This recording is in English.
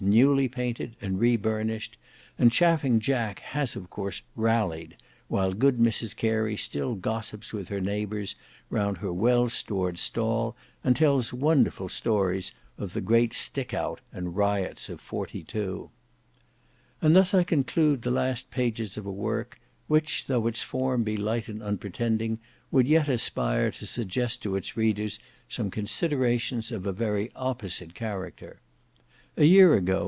newly painted, and re burnished, and Chaffing Jack has of course "rallied" while good Mrs Carey still gossips with her neighbours round her well stored stall, and tells wonderful stories of the great stick out and riots of '42. And thus I conclude the last page of a work, which though its form be light and unpretending, would yet aspire to suggest to its readers some considerations of a very opposite character. A year ago.